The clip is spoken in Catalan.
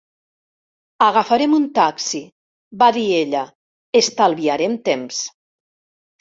"Agafarem un taxi", va dir ella. "estalviarem temps".